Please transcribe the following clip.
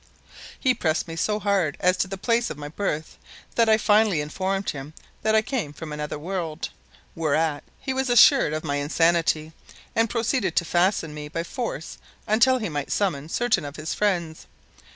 He pressed me so hard as to the place of my birth that I finally informed him that I came from another world, whereat he was assured of my insanity and proceeded to fasten me by force until he might summon certain of his friends.